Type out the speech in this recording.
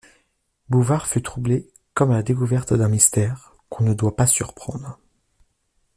Bouvard fut troublé comme à la découverte d'un mystère, qu'on ne doit pas surprendre.